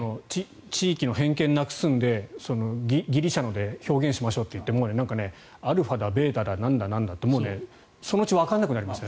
地域の偏見をなくすのでギリシャので表現しましょうといってもうアルファだベータだなんだなんだってもうそのうちわからなくなりますよ。